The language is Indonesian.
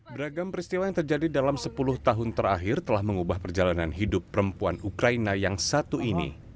beragam peristiwa yang terjadi dalam sepuluh tahun terakhir telah mengubah perjalanan hidup perempuan ukraina yang satu ini